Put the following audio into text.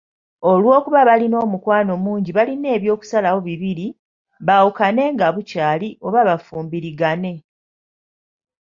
Olw'okuba balina omukwano mungi balina eby'okusalawo bibiri, baawukane nga bukyali oba bafumbirigane.